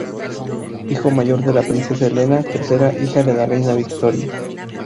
Hijo mayor de la princesa Elena, tercera hija de la reina Victoria.